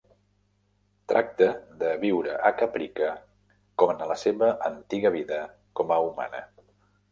Tracta de viure a Caprica com en la seva antiga vida com a humana.